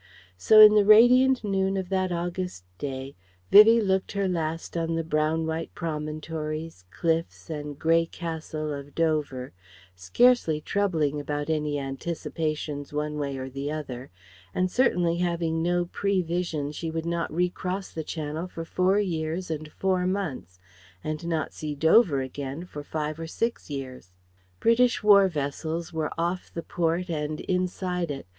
So in the radiant noon of that August day Vivie looked her last on the brown white promontories, cliffs and grey castle of Dover, scarcely troubling about any anticipations one way or the other, and certainly having no prevision she would not recross the Channel for four years and four months, and not see Dover again for five or six years. British war vessels were off the port and inside it.